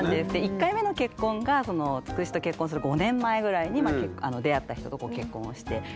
１回目の結婚がつくしと結婚する５年前ぐらいに出会った人と結婚していて。